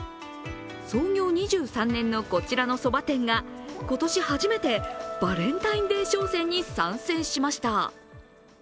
創業２３年のこちらのそば店が今年初めてバレンタインデー商戦に参戦しました。